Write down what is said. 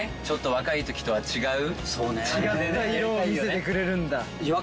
若い時とは違う。